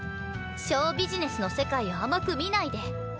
ショウビジネスの世界を甘く見ないで。